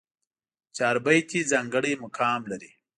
چاربېتې ځانګړی مقام لري.